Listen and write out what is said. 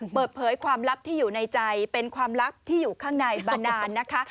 เปิดเผยความลับที่อยู่ในใจเป็นความลับที่อยู่ข้างในมานานนะคะ